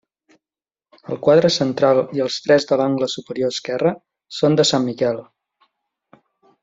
El quadre central i els tres de l'angle superior esquerre són de Sant Miquel.